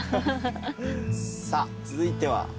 さあ続いては？